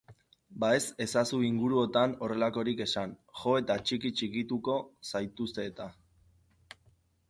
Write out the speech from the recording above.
Ba ez ezazu inguruotan horrelakorik esan, jo-eta txiki-txikituko zaituzte-eta.